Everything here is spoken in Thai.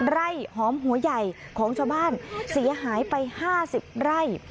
ไร่หอมหัวใหญ่ของชาวบ้านเสียหายไป๕๐ไร่